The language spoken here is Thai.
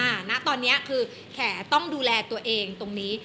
ณตอนนี้คือแขต้องดูแลตัวเองตรงนี้